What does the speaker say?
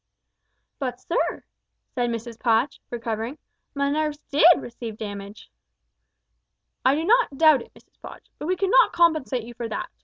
"But sir," said Mrs Podge, recovering, "my nerves did receive damage." "I do not doubt it Mrs Podge, but we cannot compensate you for that.